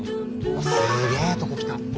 わっすげえとこ来た！